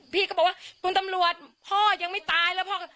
พี่ก็บอกว่าคุณตำรวจพ่อยังไม่ตายแล้วพ่อ